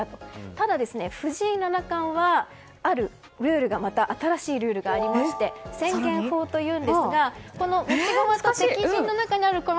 ただ、藤井七冠はある新しいルールがありまして宣言法というんですが持ち駒と敵陣の中にある。